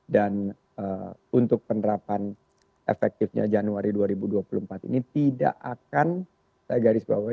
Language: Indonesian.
dan untuk penerapan efektifnya januari dua ribu dua puluh empat ini tidak akan saya garis bawahi